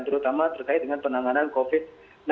terutama terkait dengan penanganan covid sembilan belas